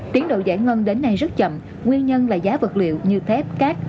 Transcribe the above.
tiến độ giải ngân đến nay rất chậm nguyên nhân là giá vật liệu như thép cát